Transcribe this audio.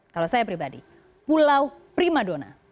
kalau saya pribadi pulau primadona